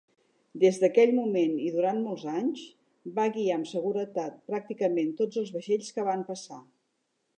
Des d'aquell moment i durant molts anys, va guiar amb seguretat pràcticament tots els vaixells que van passar.